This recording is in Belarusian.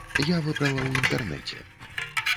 Я выбрала ў інтэрнэце.